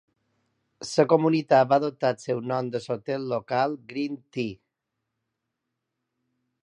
La comunitat va adoptar el seu nom de l'hotel local Green Tree.